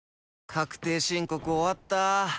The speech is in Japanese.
確定申告終わった。